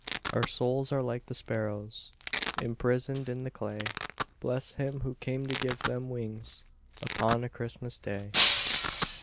Our souls are like the sparrows Imprisoned in the clay, Bless Him who came to give them wings Upon a Christmas Day!